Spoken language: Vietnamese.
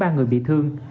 khiến ba người bị thương